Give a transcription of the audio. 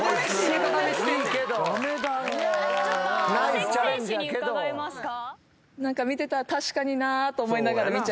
関選手に伺いますか？